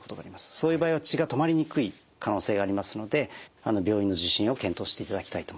そういう場合は血が止まりにくい可能性がありますので病院の受診を検討していただきたいと思います。